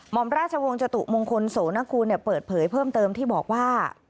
อมราชวงศ์จตุมงคลโสนกูลเปิดเผยเพิ่มเติมที่บอกว่า